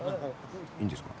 いいんですか？